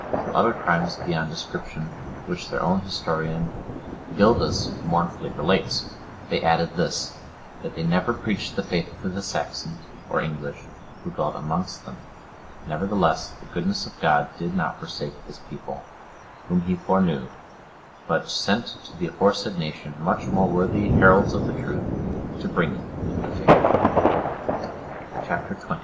To other crimes beyond description, which their own historian, Gildas,(103) mournfully relates, they added this—that they never preached the faith to the Saxons, or English, who dwelt amongst them. Nevertheless, the goodness of God did not forsake his people, whom he foreknew, but sent to the aforesaid nation much more worthy heralds of the truth, to bring it to the faith. Chap. XXIII.